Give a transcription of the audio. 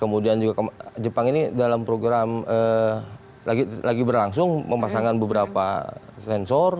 kemudian juga jepang ini dalam program lagi berlangsung memasangkan beberapa sensor